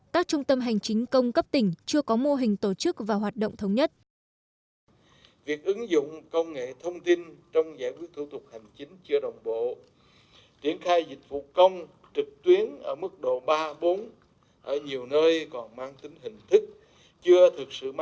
các trung tâm hành chính công cấp tỉnh chưa có mô hình tổ chức và hoạt động thống nhất